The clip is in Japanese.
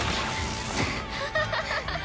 ハハハハハ！